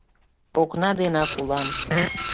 — Окна денак улам.